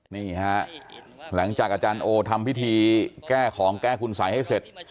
นี่ฮะหลังจากอาจารย์โอทำพิธีแก้ของแก้คุณสัยให้เสร็จ